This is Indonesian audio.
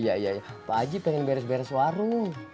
iya iya pak haji pengen beres beres warung